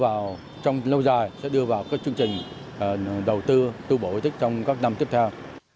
và trong lâu dài sẽ đưa vào các chương trình đầu tư tu bổ trong các năm tiếp theo